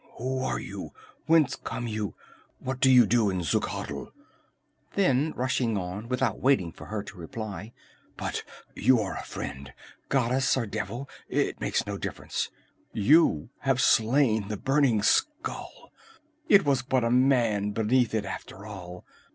"Who are you? Whence come you? What do you in Xuchotl?" Then rushing on, without waiting for her to reply: "But you are a friend goddess or devil, it makes no difference! You have slain the Burning Skull! It was but a man beneath it, after all!